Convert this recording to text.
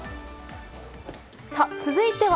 続いては。